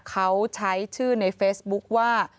เขาใช้ชื่อในเฟซบุ๊คว่า